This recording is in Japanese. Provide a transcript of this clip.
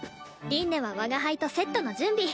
凛音は我が輩とセットの準備。